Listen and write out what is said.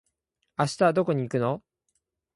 明日はどこに行くの？